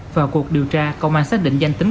vào cuộc điều tra công an xác định danh tính